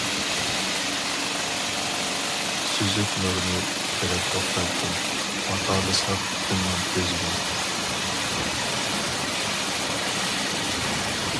سۈزۈك نۇرنى كۆرەتتۇق بەلكىم، باقالىساق تۈننىڭ كۆزىگە.